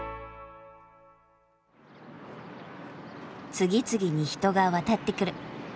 次々に人が渡ってくる。